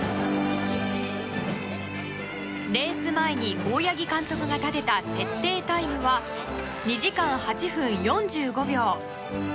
レース前に大八木監督が立てた設定タイムは２時間８分４５秒。